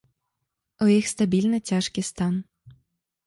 У іх стабільна цяжкі стан.